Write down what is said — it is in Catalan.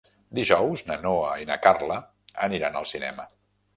Dijous na Noa i na Carla aniran al cinema.